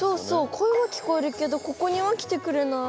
声は聞こえるけどここには来てくれない。